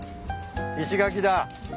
石垣だ。